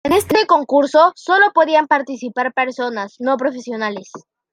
En este concurso solo podían participar personas no profesionales.